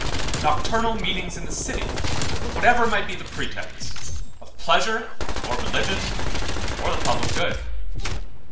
2. Nocturnal meetings in the city; whatever might be the pretence, of pleasure, or religion, or the public good.